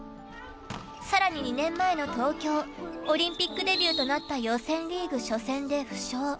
更に、２年前の東京オリンピックデビューとなった予選リーグ初戦で負傷。